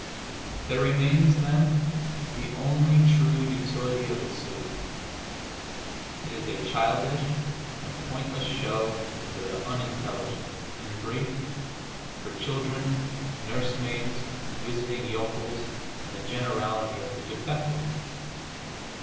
There remains, then, the only true utility of a zoo: it is a childish and pointless show for the unintelligent, in brief, for children, nursemaids, visiting yokels and the generality of the defective.